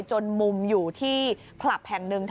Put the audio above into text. จนมุมอยู่ที่คลับแห่งหนึ่ง